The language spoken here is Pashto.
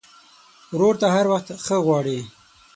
ورور ته هر وخت ښه غواړې.